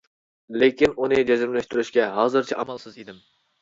لېكىن ئۇنى جەزملەشتۈرۈشكە ھازىرچە ئامالسىز ئىدىم.